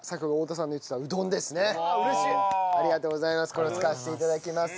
これを使わせて頂きます。